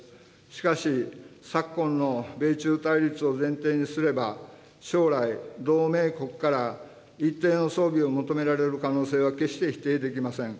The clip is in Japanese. しかし、昨今の米中対立を前提にすれば、将来、同盟国から一定の装備を求められる可能性は決して否定できません。